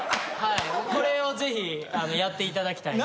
これをぜひやっていただきたい。